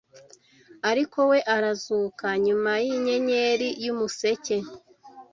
Ariko 'We' arazuka, nyuma yinyenyeri yumuseke